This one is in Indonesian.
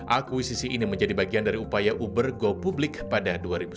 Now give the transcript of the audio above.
akuisisi ini menjadi bagian dari upaya uber go publik pada dua ribu sembilan belas